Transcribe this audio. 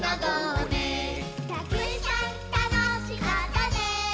「たくさんたのしかったね」